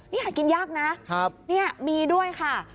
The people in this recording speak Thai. นี่หากินยากนะนี่มีด้วยค่ะ